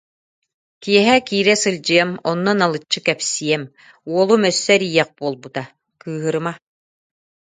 Киэһэ киирэ сылдьыам, онно налыччы кэпсиэм, уолум өссө эрийиэх буолбута, кыыһырыма